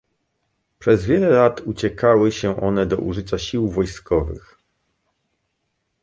Przez wiele lat uciekały się one do użycia sił wojskowych